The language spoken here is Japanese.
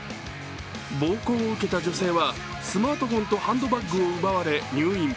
暴行を受けた女性は、スマートフォンとハンドバッグを奪われ入院。